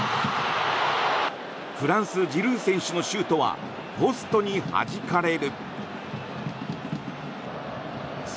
フランスジルー選手のシュートはポストにはじかれる。